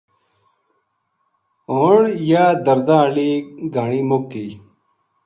ہون یاہ درداں ہالی گھان مُک گئی